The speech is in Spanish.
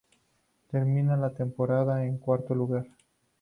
Termina la temporada en cuarto lugar.